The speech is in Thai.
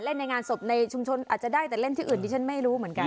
ในงานศพในชุมชนอาจจะได้แต่เล่นที่อื่นดิฉันไม่รู้เหมือนกัน